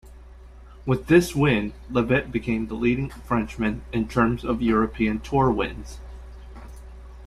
With this win Levet became the leading Frenchman in terms of European Tour wins.